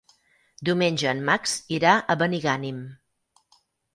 Diumenge en Max irà a Benigànim.